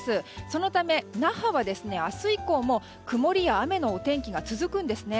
そのため、那覇は明日以降も曇りや雨のお天気が続くんですね。